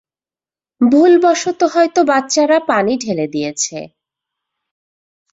ভুলবশত হয়তো বাচ্চারা পানি ঢেলে দিয়েছে।